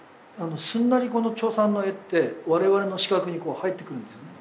すんなりこのさんの絵って我々の視覚にこう入ってくるんですよね